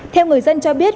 theo người dân cho biết